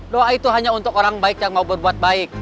doa itu hanya untuk orang baik yang mau berbuat baik